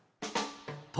と